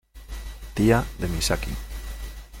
Tía de Misaki.